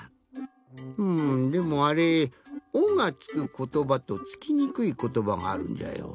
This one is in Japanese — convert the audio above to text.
うんでもあれ「お」がつくことばとつきにくいことばがあるんじゃよ。